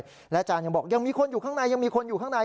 และอาจารย์ยังบอกยังมีคนอยู่ข้างในยังมีคนอยู่ข้างใน